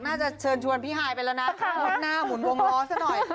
เชิญชวนพี่ฮายไปแล้วนะมุดหน้าหมุนวงล้อซะหน่อย